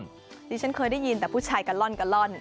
ชื่อที่ฉันเคยได้ยินแต่ผู้ชายกัลล่อนกัลล่อน